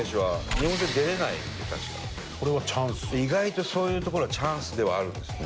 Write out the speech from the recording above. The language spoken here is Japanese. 意外とそういうところがチャンスではあるんですね。